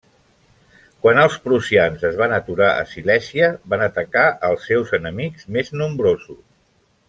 Quan els prussians es van aturar a Silèsia, van atacar als seus enemics més nombrosos.